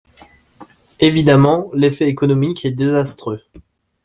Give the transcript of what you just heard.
Évidemment, l’effet économique est désastreux